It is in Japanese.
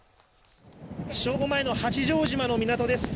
正午前の八丈島の港です。